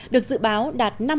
được dự báo đạt được